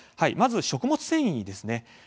まず、食物繊維です。